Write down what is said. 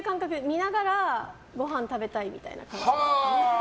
見ながらごはん食べたいみたいな。